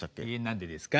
何でですか？